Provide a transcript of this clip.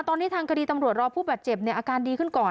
ตอนนี้ทางคดีตำรวจรอผู้บาดเจ็บเนี่ยอาการดีขึ้นก่อน